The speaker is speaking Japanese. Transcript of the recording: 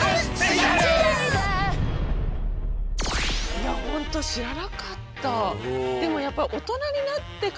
いやほんと知らなかった。